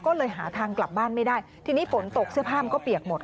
ก็เลยหาทางกลับบ้านไม่ได้ทีนี้ฝนตกเสื้อผ้ามันก็เปียกหมด